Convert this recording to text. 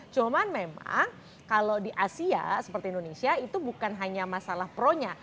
cuman memang kalau di asia seperti indonesia itu bukan hanya masalah pro nya